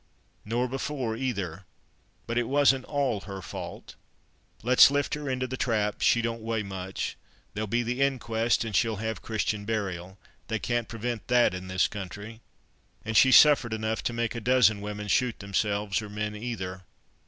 nor before, either. But it wasn't all her fault. Let's lift her into the trap. She don't weigh much. There'll be the inquest, and she'll have Christian burial. They can't prevent that in this country. And she's suffered enough to make a dozen women shoot themselves, or men either."